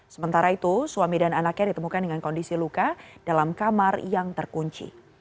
sementara itu suami dan anaknya ditemukan dengan kondisi luka dalam kamar yang terkunci